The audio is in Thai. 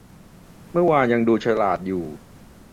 เมื่อวานยังดูฉลาดอยู่